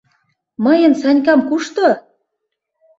— «Мыйын Санькам кушто?